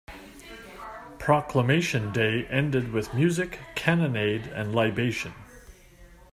"Proclamation - day ended with music, cannonade and libation.